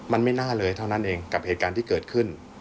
มันไม่น่าเลยเท่านั้นเองกับเหตุการณ์ที่เกิดขึ้น